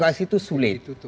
komunikasi itu sulit